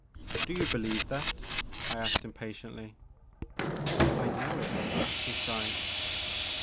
" Do you believe that !" I asked impatiently. I know it," she sighed.